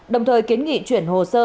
đồng thời kiến nghị chuyển hồ sơ